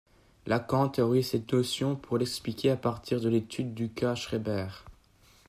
Lacan théorise cette notion pour l'expliquer à partir de l'étude du cas Schreber.